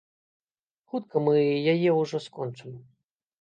Хутка мы яе ўжо скончым.